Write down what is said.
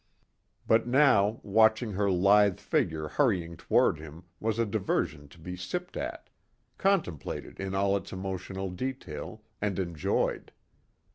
But now, watching her lithe figure hurrying toward him was a diversion to be sipped at, contemplated in all its emotional detail, and enjoyed.